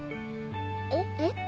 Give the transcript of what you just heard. えっ？えっ？